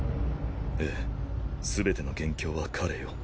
ええすべての元凶は彼よ。